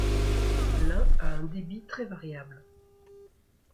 L'Ain a un débit très variable.